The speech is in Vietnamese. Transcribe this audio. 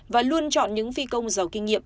và luôn chọn những phi công giàu kinh nghiệm